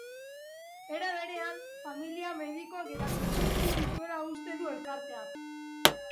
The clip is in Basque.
Era berean, familia medikuak ere gutxietsi dituela uste du elkarteak.